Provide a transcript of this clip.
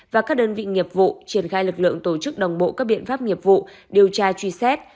và các đơn vị nghiệp vụ triển khai lực lượng tổ chức đồng bộ các biện pháp nghiệp vụ điều tra truy xét